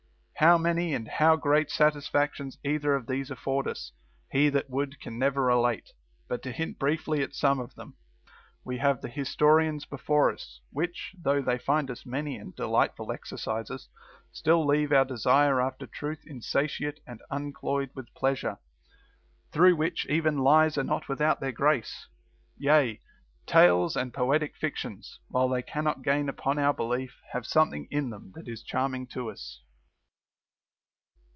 How many and how great satisfactions either of these affords us, he that would can never relate. But to hint briefly at some of them. We have the historians before us, which, though they find us many and delightful exercises, still leave our desire after truth insatiate and uncloyed with pleasure, through which even lies are not without their grace. Yea, tales and poetic fictions, while they cannot gain upon our belief, have something in them that is charming to us.